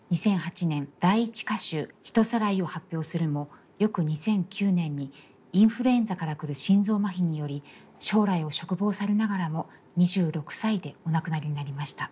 ２００８年第一歌集「ひとさらい」を発表するも翌２００９年にインフルエンザから来る心臓麻痺により将来を嘱望されながらも２６歳でお亡くなりになりました。